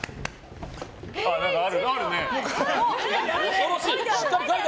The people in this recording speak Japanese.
恐ろしい。